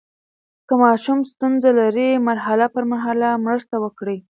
که ماشوم ستونزه لري، مرحله په مرحله مرسته وکړئ.